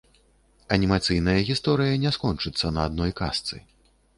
Анімацыйная гісторыя не скончыцца на адной казцы.